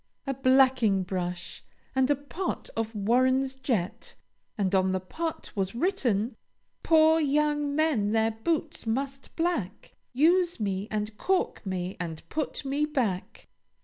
A blacking brush and a pot of Warren's jet, and on the pot was written, "Poor young men their boots must black; Use me and cork me and put me back!"